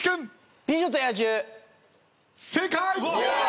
正解！